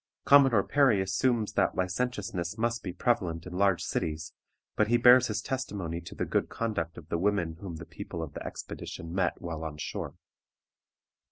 Commodore Perry assumes that licentiousness must be prevalent in large cities, but he bears his testimony to the good conduct of the women whom the people of the expedition met while on shore.